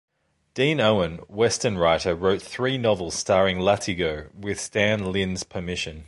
Dean Owen, Western writer, wrote three novels starring Latigo with Stan Lynde's permission.